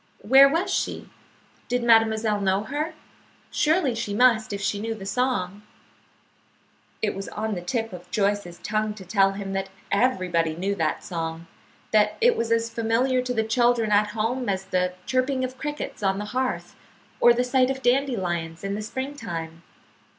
Where was she? Did mademoiselle know her? Surely she must if she knew the song. It was on the tip of Joyce's tongue to tell him that everybody knew that song; that it was as familiar to the children at home as the chirping of crickets on the hearth or the sight of dandelions in the spring time.